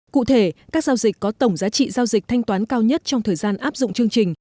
cụ thể các giao dịch có tổng giá trị giao dịch thanh toán cao nhất trong thời gian áp dụng chương trình